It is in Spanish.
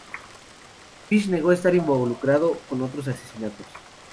Fish negó estar involucrado con otros asesinatos.